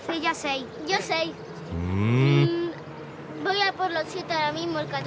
ふん。